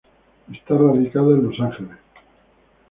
Está radicada en Los Ángeles.